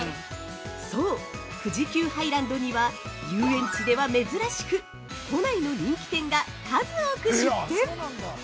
◆そう、富士急ハイランドには遊園地では珍しく都内の人気店が、数多く出店！